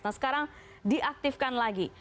nah sekarang diaktifkan lagi